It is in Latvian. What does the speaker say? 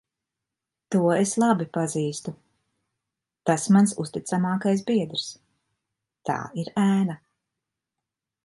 To es labi pazīstu. Tas mans uzticamākais biedrs. Tā ir ēna.